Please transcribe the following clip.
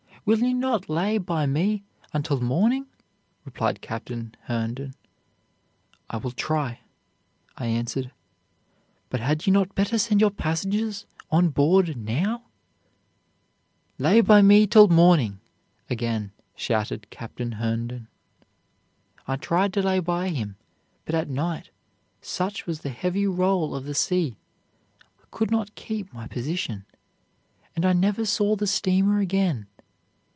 'Will you not lay by me until morning?' replied Captain Herndon. 'I will try,' I answered 'but had you not better send your passengers on board now?' 'Lay by me till morning,' again shouted Captain Herndon. "I tried to lay by him, but at night, such was the heavy roll of the sea, I could not keep my position, and I never saw the steamer again.